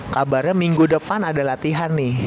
kabarnya minggu depan ada latihan nih